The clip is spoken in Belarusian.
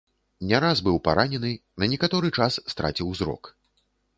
Не раз быў паранены, на некаторы час страціў зрок.